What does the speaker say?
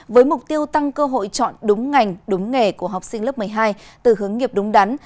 với mục tiêu tăng cơ hội chọn đúng ngành đúng nghề của học sinh lớp một mươi hai từ hướng nghiệp đúng đắn